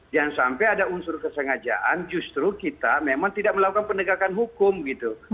dan sampai ada unsur kesengajaan justru kita memang tidak melakukan pendegakan hukum gitu